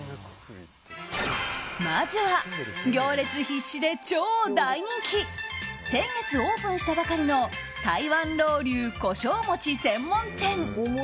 まずは、行列必至で超大人気先月オープンしたばかりの台湾老劉胡椒餅専門店。